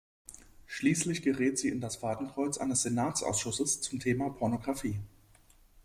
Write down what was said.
Schließlich gerät sie in das Fadenkreuz eines Senatsausschusses zum Thema Pornographie.